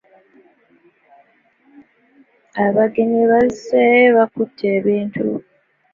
Abagenyi bazze bakutte ebintu.